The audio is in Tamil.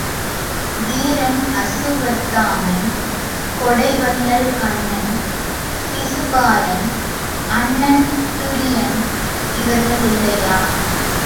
வீரன் அசுவத்தாமன், கொடைவள்ளல் கன்னன், சிசுபாலன், அண்ணன் துரியன் இவர்கள் இல்லையா?